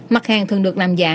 mặt hàng thường được làm giả